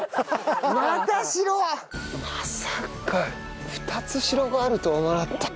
まさか２つシロがあるとは思わなかった。